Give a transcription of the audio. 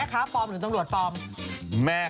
แม่ค้าปลอมหรือตรงรวจปลอม